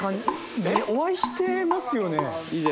お会いしてますよね？